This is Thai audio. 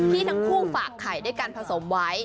ที่ทั้งคู่ฝากไข่ด้วยการผสมไว้